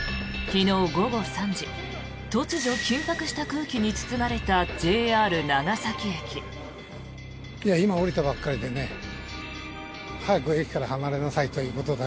昨日午後３時突如、緊迫した空気に包まれたＪＲ長崎駅。